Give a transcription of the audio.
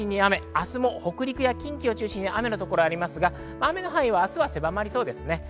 明日も北陸や近畿を中心に雨の所がありますが、雨の範囲は明日は狭まりそうです。